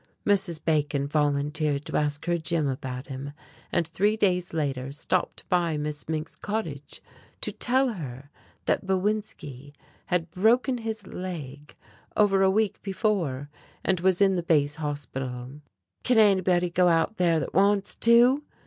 Mrs. Bacon volunteered to ask her Jim about him, and three days later stopped by Miss Mink's cottage to tell her that Bowinski had broken his leg over a week before and was in the Base Hospital. "Can anybody go out there that wants to?"